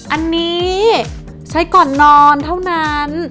อันนี้ใช้ก่อนนอนเท่านั้น